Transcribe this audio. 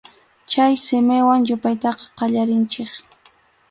Chay simiwan yupaytaqa qallarinchik.